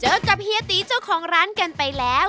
เจอกับเฮียตีเจ้าของร้านกันไปแล้ว